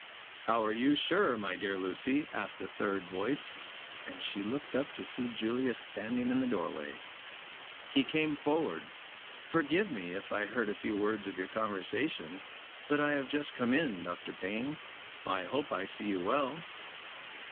"How are you sure, my dear Lucy?" asked a third voice, and she looked up to see Julius standing in the doorway. He came forward. "Forgive me if I heard a few words of your conversation. But I have just come in. Dr. Payne, I hope I see you well."